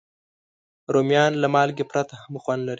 رومیان له مالګې پرته هم خوند لري